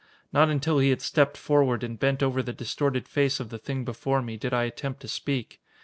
Not until he had stepped forward and bent over the distorted face of the thing before me, did I attempt to speak.